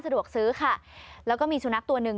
สะดวกซื้อค่ะแล้วก็มีสุนัขตัวหนึ่ง